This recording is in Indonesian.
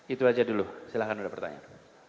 itu aja dulu silakan beri pertanyaan